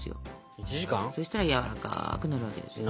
そしたらやわらかくなるわけですよ。